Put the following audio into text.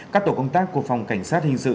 các tổ công tác của phòng cảnh sát hình sự